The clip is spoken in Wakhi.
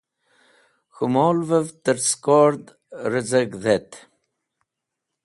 K̃hũ molvẽv tẽr skord rẽz̃ag dhet.